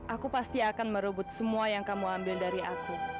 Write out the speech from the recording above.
aku pasti akan merebut semua yang kamu ambil dari aku